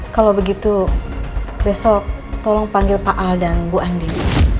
kalau begitu besok tolong panggil pak al dan bu andi